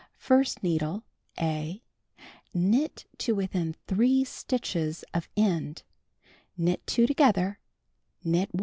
1st needle — (A) Knit to within 3 stitches of end, knit 2 together, knit 1.